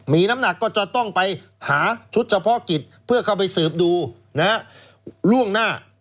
มีน้ำหนักก็จะต้องไปหาชุดเฉพาะกิจเพื่อเข้าไปสืบดูล่วงหน้า